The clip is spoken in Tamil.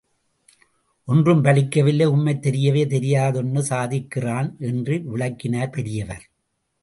ஒன்றும் பலிக்கல்லே உம்மைத் தெரியவே தெரியாதுன்னு சாதிக்கிறான் என்று விளக்கினார் பெரியவர்.